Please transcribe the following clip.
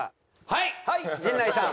はい陣内さん。